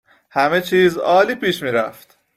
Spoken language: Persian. همه چیز عالی پیش میرفت